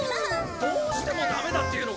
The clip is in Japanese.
どうしてもダメだって言うのか？